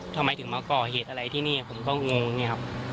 ทำไมถึงมาก่อเหตุอะไรที่นี่ผมก็งงอย่างนี้ครับ